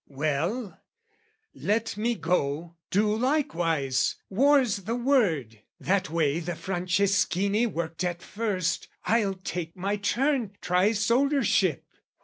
" Well, let me go, do likewise: war's the word "That way the Franceschini worked at first, "I'll take my turn, try soldiership."